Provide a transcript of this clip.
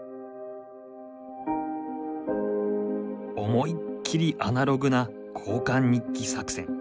思いっきりアナログな交換日記作戦。